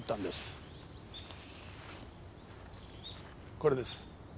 これです。